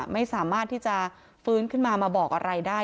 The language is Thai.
ไม่สามารถที่จะฟื้นขึ้นมามาบอกอะไรได้